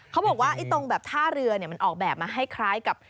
เขาบอกว่าตรงแบบท่าเรือมันออกแบบมาให้คล้ายกับ